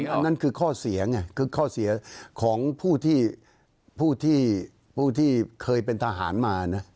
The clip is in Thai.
อันนั้นคือข้อเสียไงคือข้อเสียของผู้ที่ผู้ที่เคยเป็นทหารมานะ